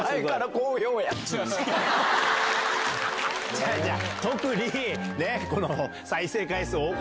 違う違う！